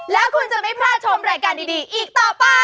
แล้วคุณจะไม่พลาดชมรายการดีอีกต่อไป